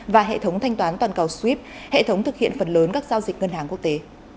và hệ thống thanh toán toàn cầu streap hệ thống thực hiện phần lớn các giao dịch ngân hàng quốc tế